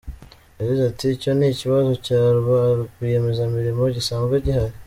Yagize ati “Icyo ni ikibazo cya ba rwiyemezamirimo gisanzwe gihari .